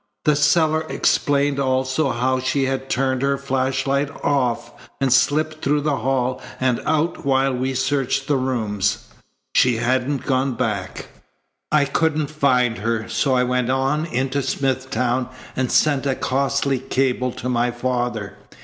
The cellar explained also how she had turned her flashlight off and slipped through the hall and out while we searched the rooms. She hadn't gone back. I couldn't find her. So I went on into Smithtown and sent a costly cable to my father.